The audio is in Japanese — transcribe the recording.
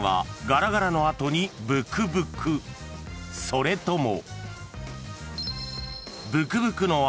［それとも］